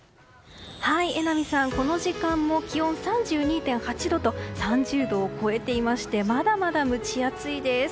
榎並さん、この時間も気温３２．８度と３０度を超えていましてまだまだ蒸し暑いです。